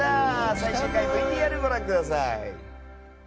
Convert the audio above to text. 最終回ＶＴＲご覧ください。